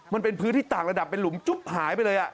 มันเป็นพื้นที่ต่างระดับเป็นหลุมจุ๊บหายไปเลย